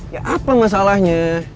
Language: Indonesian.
ya apa masalahnya